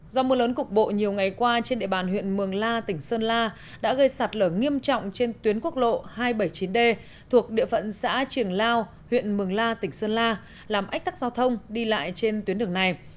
do mưa lớn cục bộ nhiều ngày qua trên địa bàn huyện mường la tỉnh sơn la đã gây sạt lở nghiêm trọng trên tuyến quốc lộ hai trăm bảy mươi chín d thuộc địa phận xã triềng lao huyện mường la tỉnh sơn la làm ách tắc giao thông đi lại trên tuyến đường này